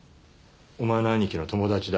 お前の兄貴の友達だ。